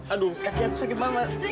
aduh kaki aku sakit banget